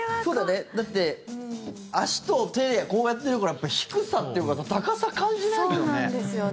だって、足と手をこうやってるから低さというか高さ感じないよね。